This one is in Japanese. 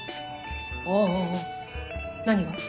あぁ何が？